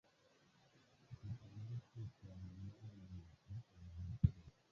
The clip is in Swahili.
kitakoni mwa wanyama waliokufa Mizoga hiyo isipozikwa na kufukiwa vizuri bakteria huingia malishoni